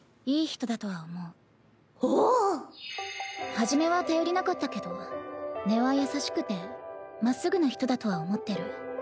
初めは頼りなかったけど根は優しくてまっすぐな人だとは思ってる。